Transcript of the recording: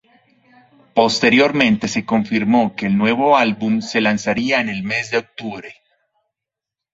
Posteriormente se confirmó que el nuevo álbum se lanzaría en el mes de octubre.